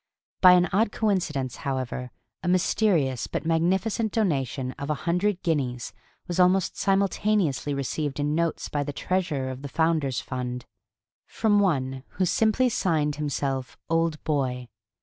By an odd coincidence, however, a mysterious but magnificent donation of a hundred guineas was almost simultaneously received in notes by the treasurer of the Founder's Fund, from one who simply signed himself "Old Boy."